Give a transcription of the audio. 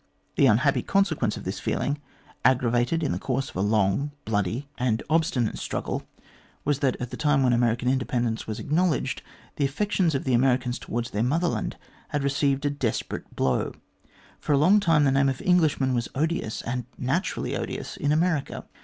The unhappy consequence of this feeling, aggravated in the course of a long, bloody, and A COUPLE OF COLONIAL LECTURES 265 obstinate struggle, was that at the time when American independence was acknowledged, the affections of the Americans towards their mother land had received a desper ate blow. For a long time the name of Englishman was odious, and naturally odious, in America.